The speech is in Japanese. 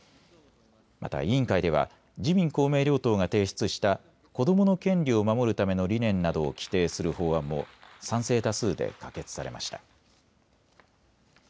また委員会では自民公明両党が提出した子どもの権利を守るための理念などを規定する法案も賛成多数で可決されました。